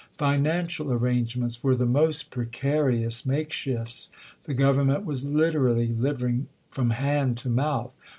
Financial arrangements were the most precarious makeshifts. The Government was literally liviug from hand to mouth.